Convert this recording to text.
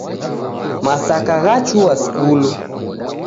Masaka ghachua skulu.